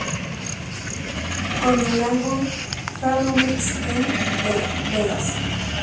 Con el álbum "Halloween Sex N Vegas".